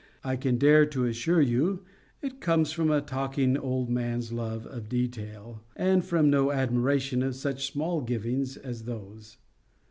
I can dare to assure you it comes from a talking old man's love of detail, and from no admiration of such small givings as those.